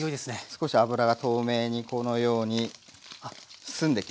少し脂が透明にこのように澄んできますね。